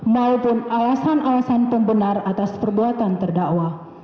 maupun alasan alasan pembenar atas perbuatan terdakwa